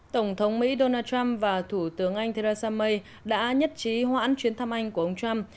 tổng thống mỹ donald trump và thủ tướng anh theresa may đã nhất trí hoãn chuyến thăm anh của ông trump